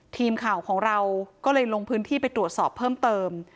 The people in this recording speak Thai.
ทีมข่าวของเราก็เลยลงพื้นที่ไปตรวจสอบเพิ่มเติม